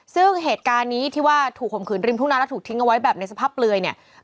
ซึ่งเหตุการณ์นี้ที่ว่าถูกข่มขืนริมทุ่งนาแล้วถูกทิ้งเอาไว้แบบในสภาพเปลือยเนี่ย